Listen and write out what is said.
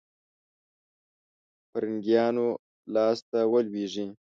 فرنګیانو لاسته ولوېږي.